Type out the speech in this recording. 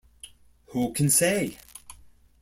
Who can say?